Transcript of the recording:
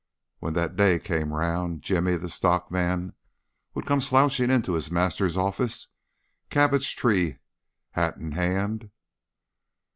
When that day came round, Jimmy, the stockman, would come slouching into his master's office, cabbage tree hat in hand.